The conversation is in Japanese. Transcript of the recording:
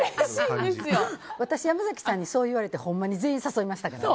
私山崎さんにそう言われてほんまに全員誘いましたからね。